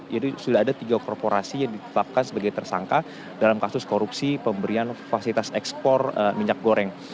jadi sudah ada tiga korporasi yang ditetapkan sebagai tersangka dalam kasus korupsi pemberian fasilitas ekspor minyak goreng